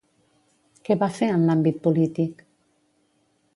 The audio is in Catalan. Què va fer en l'àmbit polític?